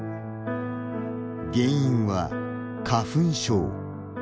原因は花粉症。